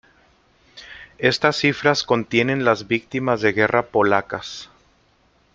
Estas cifras contienen las víctimas de guerra polacas.